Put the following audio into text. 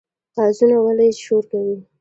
قازونه ولې شور کوي؟